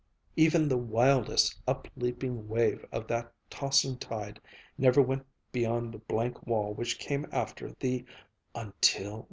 Even the wildest up leaping wave of that tossing tide never went beyond the blank wall which came after the "until...."